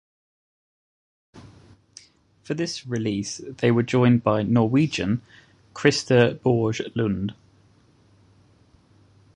For this release they were joined by Norwegian Christer Borge-Lunde.